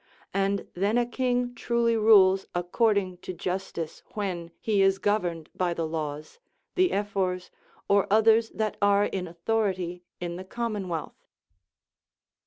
And then a king trnly rules according to justice, when he is governed by the laws, the Ephors, or others that are in authority in the commonwealth.